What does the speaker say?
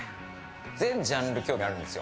全ジャンル、興味があるんですよ。